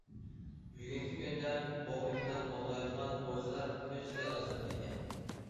بۈگۈنكى كۈندە، بوغما يىلان ئوۋلايدىغان ئوۋچىلار كۈنسېرى ئازلاپ كەتكەن.